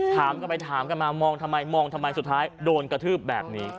ถามกันไปถามกันมามองทำไมมองทำไมสุดท้ายโดนกระทืบแบบนี้